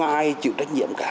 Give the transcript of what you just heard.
không ai chịu trách nhiệm cả